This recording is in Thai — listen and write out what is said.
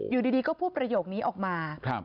อยู่ดีก็พูดประโยคนี้ออกมา